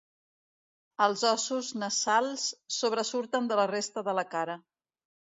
Els ossos nasals sobresurten de la resta de la cara.